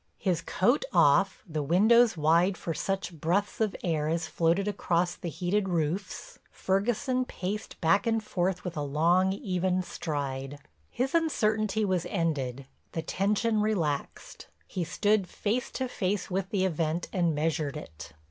His coat off, the windows wide for such breaths of air as floated across the heated roofs, Ferguson paced back and forth with a long, even stride. His uncertainty was ended, the tension relaxed; he stood face to face with the event and measured it.